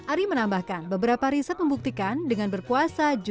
ari menambahkan beberapa riset membuktikan dengan berkuasa justru asam lambung biasa